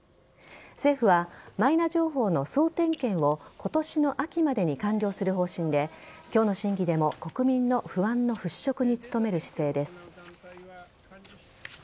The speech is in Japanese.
政府はマイナ情報の総点検を今年の秋までに完了する方針で今日の審議でも国民の不安の払拭に努める姿勢です。